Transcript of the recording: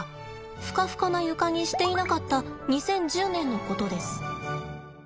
フカフカな床にしていなかった２０１０年のことです。